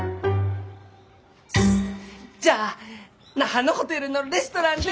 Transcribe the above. じゃあ那覇のホテルのレストランで。